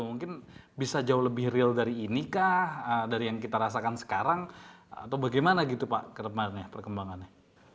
mungkin bisa jauh lebih real dari inikah dari yang kita rasakan sekarang atau bagaimana gitu pak perkembangannya